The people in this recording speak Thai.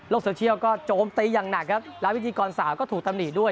โซเชียลก็โจมตีอย่างหนักครับแล้วพิธีกรสาวก็ถูกตำหนิด้วย